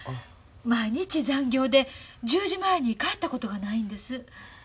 毎日残業で１０時前に帰ったことがないんです。